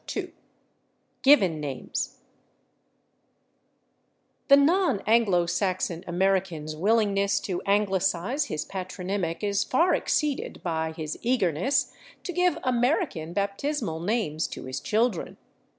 § 2 /Given Names/ The non Anglo Saxon American's willingness to anglicize his patronymic is far exceeded by his eagerness to give "American" baptismal names to his children.